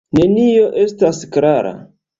Nenio estas klara.